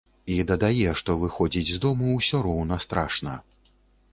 І дадае, што выходзіць з дому ўсё роўна страшна.